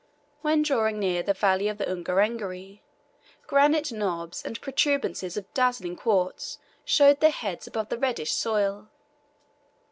When drawing near the valley of Ungerengeri, granite knobs and protuberances of dazzling quartz showed their heads above the reddish soil.